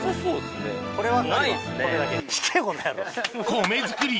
米作り